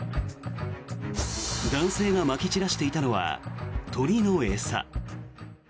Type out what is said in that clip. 男性がまき散らしていたのは鳥の餌。